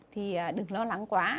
thì đừng lo lắng quá